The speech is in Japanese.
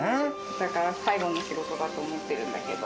だから最後の仕事だと思ってるんだけど。